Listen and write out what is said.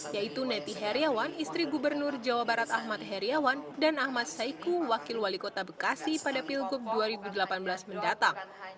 yaitu neti heriawan istri gubernur jawa barat ahmad heriawan dan ahmad saiku wakil wali kota bekasi pada pilgub dua ribu delapan belas mendatang